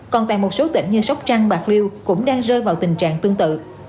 còn tại một số tỉnh như sóc trăng bạc liêu cũng đang rơi vào tình trạng tương tự